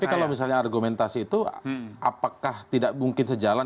tapi kalau misalnya argumentasi itu apakah tidak mungkin sejalan